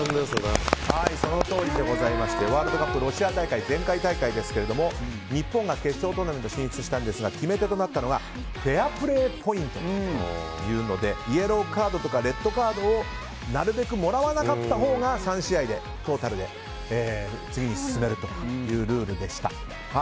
そのとおりでございましてワールドカップロシア大会前回大会ですけども日本が決勝トーナメントに進出したんですが決め手となったのはフェアプレーポイントでイエローカードとかレッドカードをなるべくもらわなかったほうが３試合でトータルで次に進めるというルールでした。